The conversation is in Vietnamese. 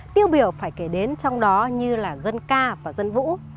tiêu biểu phải kể đến trong đó như là dân ca và dân vũ